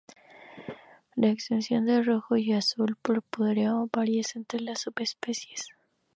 La extensión de rojo y azul purpúreo varía entre las subespecies.